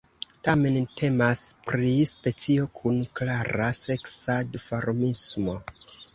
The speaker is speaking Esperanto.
Tamen temas pri specio kun klara seksa duformismo.